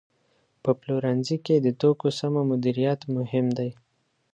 په پلورنځي کې د توکو سمه مدیریت مهم دی.